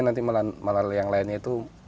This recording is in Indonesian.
nanti malah yang lainnya itu